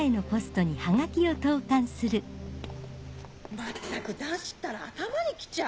まったく男子ったら頭にきちゃう。